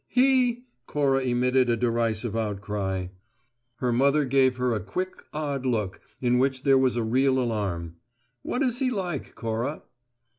"He!" Cora emitted a derisive outcry. Her mother gave her a quick, odd look, in which there was a real alarm. "What is he like, Cora?"